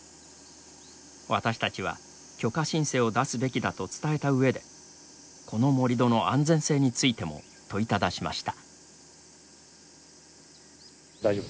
私たちは、許可申請を出すべきだと伝えた上でこの盛り土の安全性についても問いただしました。